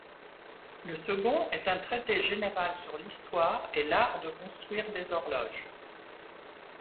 Le second est un traité général sur l'histoire et l'art de construire des horloges.